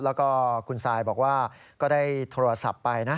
แล้วก็คุณซายบอกว่าก็ได้โทรศัพท์ไปนะ